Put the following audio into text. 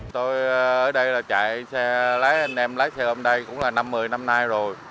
tôi ở đây là chạy xe lấy anh em lái xe hôm nay cũng là năm một mươi năm nay rồi